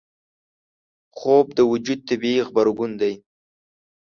خوب د وجود طبیعي غبرګون دی